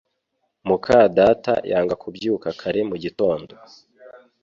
muka data yanga kubyuka kare mu gitondo